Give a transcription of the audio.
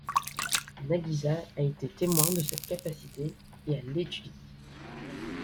Nagisa a été témoin de cette capacité, et elle l’étudie.